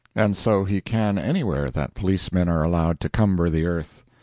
And so he can anywhere that policemen are allowed to cumber the earth.